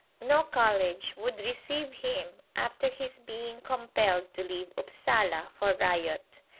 No college would receive him after his being compelled to leave Upsala for riot.